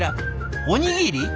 おにぎり？